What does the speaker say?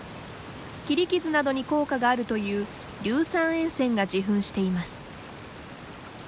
切り傷などに効果があるという硫酸塩泉が自噴しています。